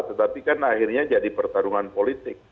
tetapi kan akhirnya jadi pertarungan politik